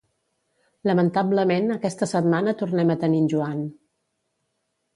Lamentablement aquesta setmana tornem a tenir en Joan